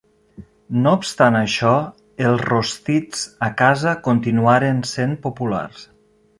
No obstant això, els rostits a casa continuaren sent populars.